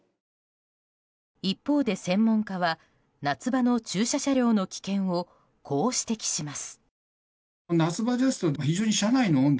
一方で専門家は夏場の駐車車両の危険をこう指摘します。